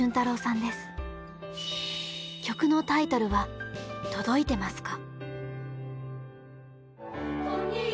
曲のタイトルは「とどいてますか」。